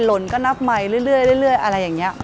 หล่นก็นับใหม่เรื่อยอะไรอย่างนี้